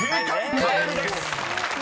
「カエル」です］